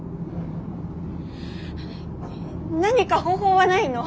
何か方法はないの？